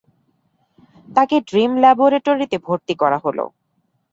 তাকে ড্রীম ল্যাবোরেটরিতে ভর্তি করা হল।